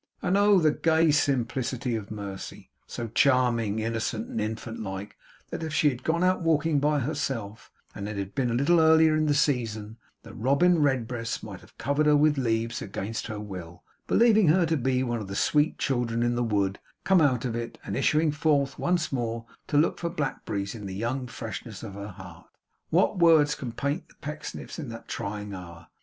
And, oh, the gay simplicity of Mercy; so charming, innocent, and infant like, that if she had gone out walking by herself, and it had been a little earlier in the season, the robin redbreasts might have covered her with leaves against her will, believing her to be one of the sweet children in the wood, come out of it, and issuing forth once more to look for blackberries in the young freshness of her heart! What words can paint the Pecksniffs in that trying hour?